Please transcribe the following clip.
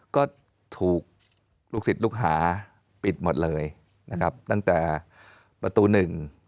ก็ถูกลูกศิษย์ลูกหาปิดหมดเลยนะครับตั้งแต่ประตูหนึ่ง